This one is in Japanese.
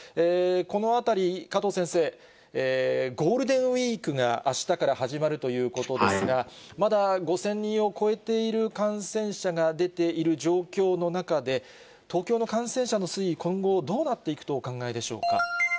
このあたり、加藤先生、ゴールデンウィークがあしたから始まるということですが、まだ５０００人を超えている感染者が出ている状況の中で、東京の感染者の推移、今後、どうなっていくとお考えでしょうか。